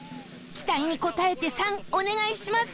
期待に応えて「３」お願いします